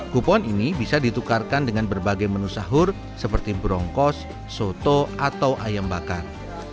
kupon ini bisa ditukarkan dengan berbagai menu sahur seperti bronkos soto atau ayam bakar